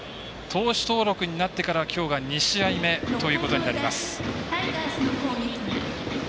投手登録になってからきょうが２試合目ということになります。